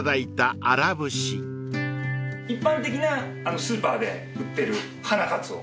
一般的なスーパーで売ってる花かつお。